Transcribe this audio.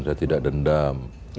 saya tidak dendam